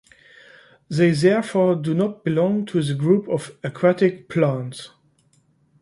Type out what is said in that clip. They therefore do not belong to the group of aquatic plants.